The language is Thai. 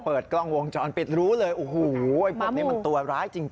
เปิดกล้องวงจรปิดรู้เลยโอ้โหพวกนี้มันตัวร้ายจริง